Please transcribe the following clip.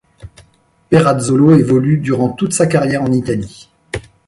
Perazzolo évolue durant toute sa carrière en Italie.